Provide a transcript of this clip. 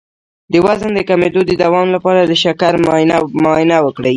د وزن د کمیدو د دوام لپاره د شکر معاینه وکړئ